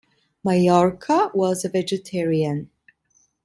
Maiorca was a vegetarian.